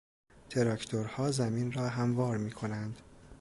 تراکتورها زمین را هموار میکنند.